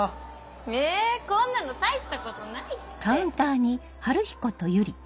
えこんなの大したことないって。